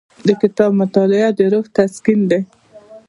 د کتاب مطالعه د روح تسکین دی.